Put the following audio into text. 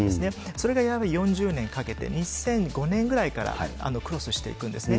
それがやはり４０年かけて２００５年ぐらいからクロスしていくんですね。